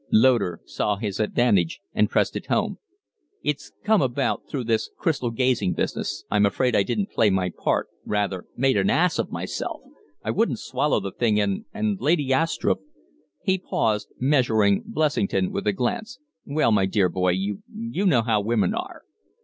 Loder saw his advantage and pressed it home. "It's come about through this crystal gazing business. I'm afraid I didn't play my part rather made an ass of myself; I wouldn't swallow the thing, and and Lady Astrupp " He paused, measuring Blessington with a glance. "Well, my dear boy, you you know what women are!"